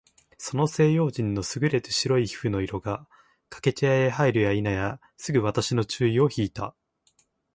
その西洋人の優れて白い皮膚の色が、掛茶屋へ入るや否いなや、すぐ私の注意を惹（ひ）いた。